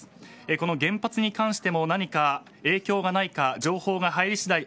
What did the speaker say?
この原発に関しても何か影響がないか情報が入りしだい